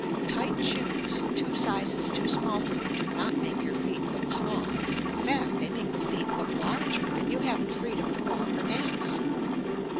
Tight shoes two sizes too small for you do not make your feet look small; in fact, they make the feet look larger, and you haven't freedom to walk or dance.